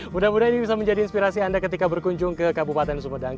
mudah mudahan ini bisa menjadi inspirasi anda ketika berkunjung ke kabupaten sumedang